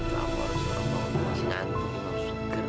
varios yang bom untuk kakak juga scientists' girl